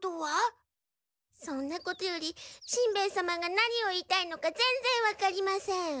そんなことよりしんべヱ様が何を言いたいのか全然わかりません。